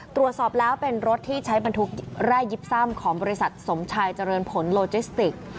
ตรวจสอบแล้วเป็นรถที่ใช้บรรทุกแร่ยิบซ่ำของบริษัทสมชายเจริญผลโลจิสติก